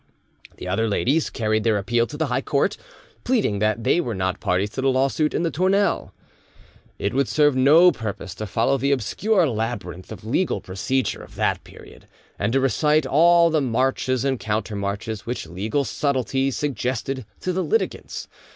The other ladies carried their appeal to the high court, pleading that they were not parties to the lawsuit in the Tournelle. It would serve no purpose to follow the obscure labyrinth of legal procedure of that period, and to recite all the marches and countermarches which legal subtlety suggested to the litigants.